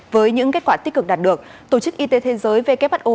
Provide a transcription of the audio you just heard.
với những kết quả tích cực đạt được tổ chức y tế thế giới who